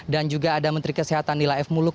dan juga ada menteri kesehatan nila f muluk